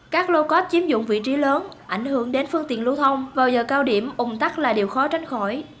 các lô cóp chiếm dụng vị trí lớn ảnh hưởng đến phương tiện lưu thông vào giờ cao điểm ủng tắc là điều khó tránh khỏi